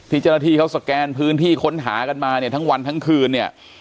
เจ้าหน้าที่เขาสแกนพื้นที่ค้นหากันมาเนี่ยทั้งวันทั้งคืนเนี่ย